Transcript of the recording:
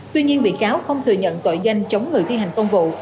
tuy nhiên bị cáo không thừa nhận tội danh chống người thi hành công vụ